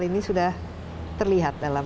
ini sudah terlihat dalam